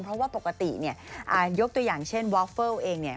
เพราะว่าปกติเนี่ยยกตัวอย่างเช่นวอฟเฟิลเองเนี่ย